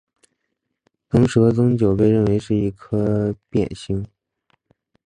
螣蛇增九被认为是一颗变星。